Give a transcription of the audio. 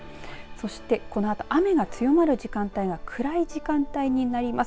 そして、このあと雨が強まる時間帯は暗い時間帯になります。